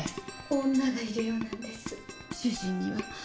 女がいるようなんです主人には。